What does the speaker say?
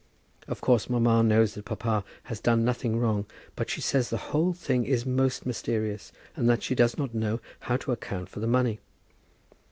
Of course, mamma knows that papa has done nothing wrong; but she says that the whole thing is most mysterious, and that she does not know how to account for the money.